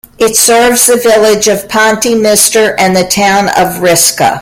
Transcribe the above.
It serves the village of Pontymister and the town of Risca.